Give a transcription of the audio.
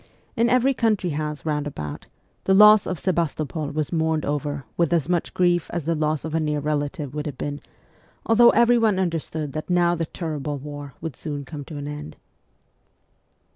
In every country house round about, the loss of Sebastopol was mourned over with as much grief as the loss of a near relative would have been, although everyone understood that now the terrible war would soon come to an end.